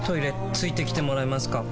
付いてきてもらえますか？